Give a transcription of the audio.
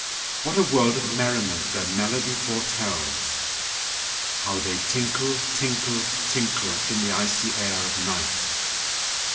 What a world of merriment their melody foretells! How they tinkle, tinkle, tinkle, In the icy air of night!